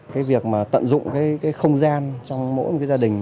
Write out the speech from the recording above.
cái việc mà tận dụng cái không gian trong mỗi một cái gia đình